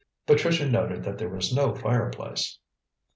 Patricia noted that there was no fire place.